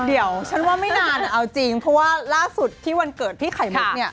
เดี๋ยวฉันว่าไม่นานเอาจริงเพราะว่าล่าสุดที่วันเกิดพี่ไข่มุกเนี่ย